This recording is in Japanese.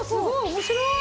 面白い！